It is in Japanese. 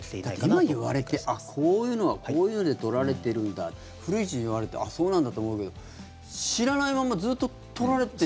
今、言われてあっ、こういうのがこういうので取られてるんだ古市に言われてあっ、そうなんだって思うけど知らないままずっと取られて。